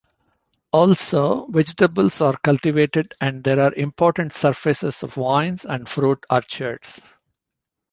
Also vegetables are cultivated and there are important surfaces of wines and fruit orchards.